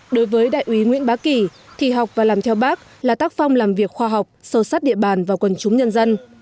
đối với đại úy nguyễn bá kỳ thì học và làm theo bác là tác phong làm việc khoa học sâu sát địa bàn và quần chúng nhân dân